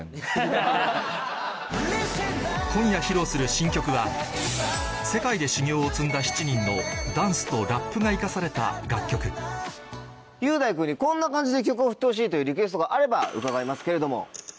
今夜披露する新曲はのダンスとラップが生かされた楽曲雄大君にこんな感じで曲をふってほしいというリクエストがあれば伺いますけれども。